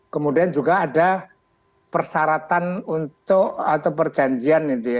kemudian juga ada persyaratan untuk atau perjanjian ini